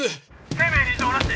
「生命に異常なし！」